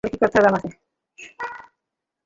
তাহলে কী করতে হবে আমাদের?